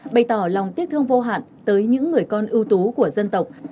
bày tỏ lòng tiếc thương vô hạn tới những người con ưu tú của dân tộc